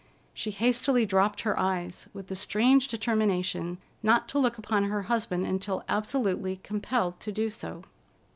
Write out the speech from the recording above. She hastily dropped her eyes, with the strange determination not to look upon her husband until absolutely compelled to do so.